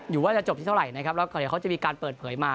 อยู่ว่าจะจบที่เท่าไหร่นะครับแล้วก็เดี๋ยวเขาจะมีการเปิดเผยมา